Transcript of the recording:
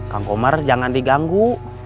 kang komar jangan diganggu